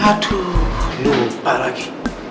aduh lupa lagi